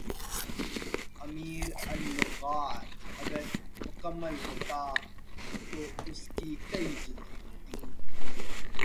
امیر اللغات اگر مکمل ہوتا تو اس کی کئی جلدیں ہوتیں